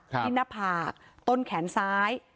ที่หน้าผากต้นแขนซ้าย